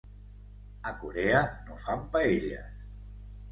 A Corea no fan paelles!